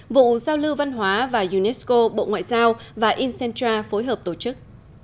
vụ giao lưu văn hóa và unesco bộ ngoại giao và incentra phối hợp tổ chức